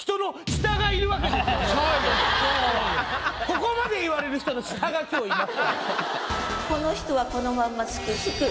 ここまで言われる人の下が今日いますから。